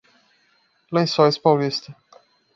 Lençóis Paulista